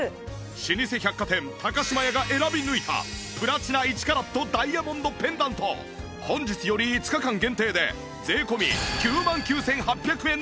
老舗百貨店島屋が選び抜いたプラチナ１カラットダイヤモンドペンダント本日より５日間限定で税込９万９８００円の衝撃価格